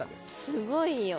すごいよ。